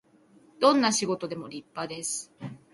どんな仕事でも立派です